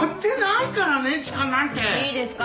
いいですか？